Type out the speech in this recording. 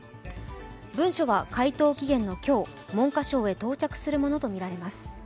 文書は回答期限の今日、文科省へ到着するものとみられます。